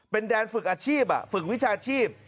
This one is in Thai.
เป็นแดนฝึกอาชีพฝึกวิชาชีพ